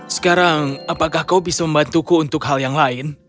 sekarang apakah kau bisa membantuku untuk hal yang lain